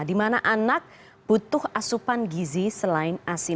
dimana anak butuh asupan gizi selain asin